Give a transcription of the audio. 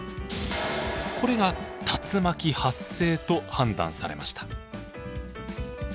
これが竜巻発生と判断されました。